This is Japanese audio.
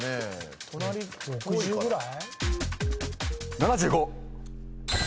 ７５。